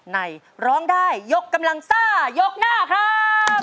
ในร้องได้ยกกำลังซ่ายกหน้าครับ